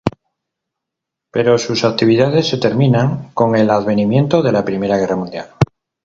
Pero sus actividades se terminan con el advenimiento de la Primera Guerra Mundial.